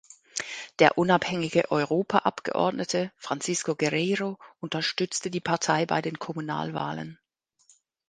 Der unabhängige Europaabgeordnete Francisco Guerreiro unterstützte die Partei bei den Kommunalwahlen.